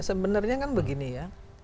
sebenarnya kan begini ya